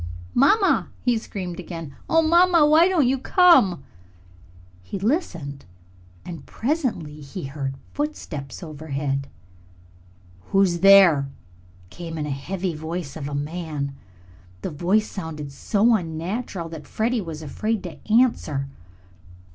"Mamma!" he screamed again. "Oh, mamma, why don't you come?" He listened and presently he heard footsteps overhead. "Who's there?" came in the heavy voice of a man. The voice sounded so unnatural that Freddie was afraid to answer.